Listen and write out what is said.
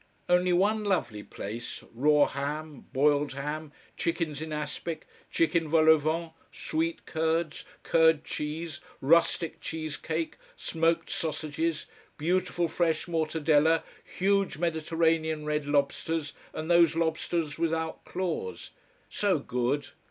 Only one lovely place: raw ham, boiled ham, chickens in aspic, chicken vol au vents, sweet curds, curd cheese, rustic cheese cake, smoked sausages, beautiful fresh mortadella, huge Mediterranean red lobsters, and those lobsters without claws. "So good!